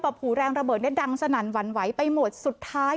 หูแรงระเบิดเนี่ยดังสนั่นหวั่นไหวไปหมดสุดท้าย